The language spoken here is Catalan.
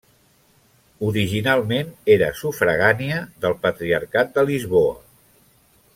Originalment era sufragània del Patriarcat de Lisboa.